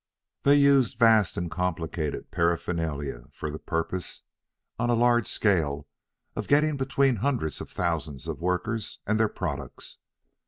They used vast and complicated paraphernalia for the purpose, on a large scale of getting between hundreds of thousands of workers and their products.